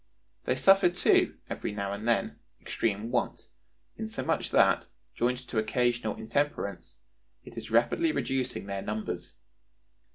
They suffer, too, every now and then, extreme want, insomuch that, joined to occasional intemperance, it is rapidly reducing their numbers.